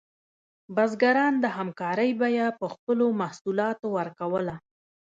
بزګران د همکارۍ بیه په خپلو محصولاتو ورکوله.